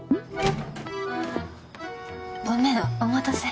ごめんお待たせ。